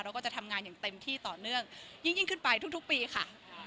ก็จะทำงานอย่างเต็มที่ต่อเนื่องยิ่งขึ้นไปทุกปีค่ะ